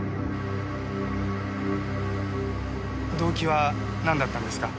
動機はなんだったんですか？